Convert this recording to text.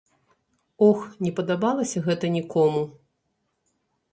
Ох, не падабалася гэта нікому.